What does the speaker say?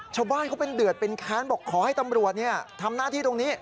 ชาวบ้านเขาเป็นเดือดเป็นแค้นบอกขอให้ตำรวจทำหน้าที่ตรงนี้